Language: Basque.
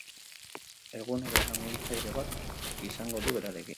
Egunero laguntzaile bat izango du berarekin.